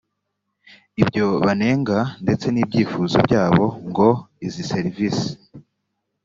ibyo banenga ndetse n ibyifuzo byabo ngo izi serivisi